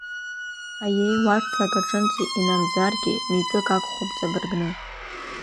Аиеи, уарҭалк аҿынӡа инамӡаргьы, митәык агхом ҵабыргны…